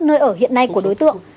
nơi ở hiện nay của đối tượng